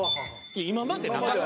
今までなかった。